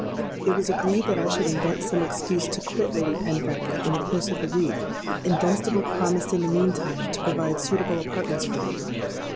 It was agreed that I should invent some excuse to quit Lady Penfeather in the course of the week; and Dunstable promised in the meantime to provide suitable apartments for me.